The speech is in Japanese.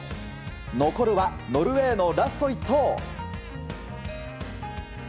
残るはノルウェーのラスト１投。